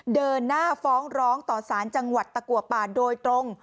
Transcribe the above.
เดินหน้าฟ้องร้องต่อสารจังหวัดตะกัวป่าโดยตรง